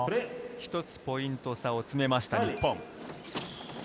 一つポイント差を詰めました日本。